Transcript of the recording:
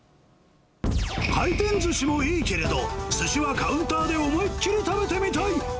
回転ずしもいいけれど、すしはカウンターで思いっきり食べてみたい。